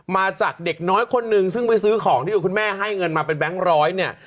มาจากเด็กน้อยคนนึงซึ่งไปซื้อของที่คุณแม่ให้เงินมาเป็นแก๊งร้อยเนี่ย